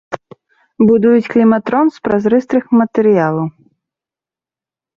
Будуюць кліматрон з празрыстых матэрыялаў.